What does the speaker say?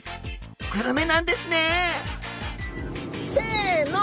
グルメなんですねせの！